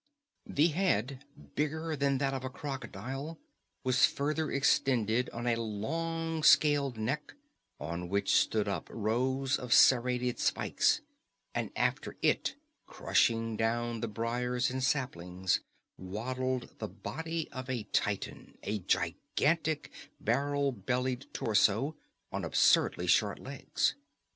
The head, bigger than that of a crocodile, was further extended on a long scaled neck on which stood up rows of serrated spikes, and after it, crushing down the briars and saplings, waddled the body of a titan, a gigantic, barrel bellied torso on absurdly short legs.